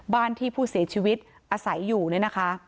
บ้านที่ผู้เสียชีวิตอาศัยอยู่เนี่ยนะคะ